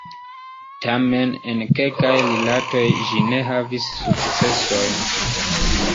Tamen en kelkaj rilatoj ĝi ne havis sukcesojn.